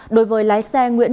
đối với các tài khoản ngân hàng